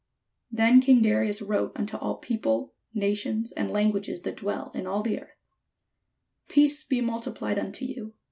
Then king Darius wrote unto all people, nations, and languages, that dwell in all the earth: "Peace be multi plied unto you.